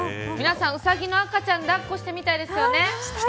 皆さん、ウサギの赤ちゃん抱っこしてみたいですよね。